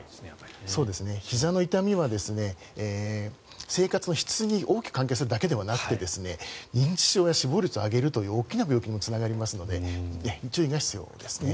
ひざの痛みは生活の質に大きく関係するだけではなくて認知症や死亡率を上げるという大きな病気にもつながりますので注意が必要ですね。